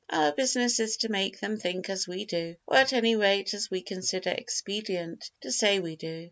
Our business to make them think as we do, or at any rate as we consider expedient to say we do."